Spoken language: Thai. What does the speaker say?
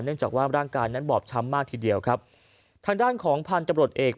จากว่าร่างกายนั้นบอบช้ำมากทีเดียวครับทางด้านของพันธบรวจเอก